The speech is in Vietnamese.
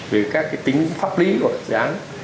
về các cái tính pháp lý của dự án